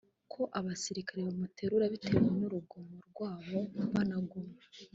ko abasirikare bamuterura bitewe n urugomo rw abo banaguma